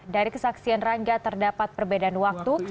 dari kesaksian rangga terdapat perbedaan waktu